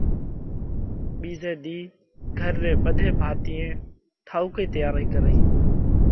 ٻِيزئہ ۮِي گھر ري ٻڌي ڀاتِيئي ٺائوڪئِي تيئارئِي ڪرئِي